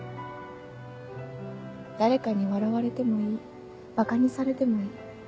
誰かに笑われてもいいバカにされてもいい。